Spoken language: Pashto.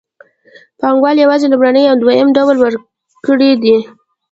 پانګوال یوازې لومړنی او دویم ډول ورکړي دي